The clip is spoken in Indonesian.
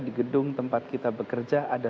di gedung tempat kita bekerja ada